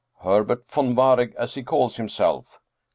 " Herbert von Waregg, as he calls himself."